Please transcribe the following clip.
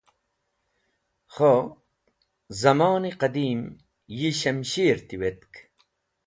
Kho, zamoni qadim, yi shamshir tiwetk.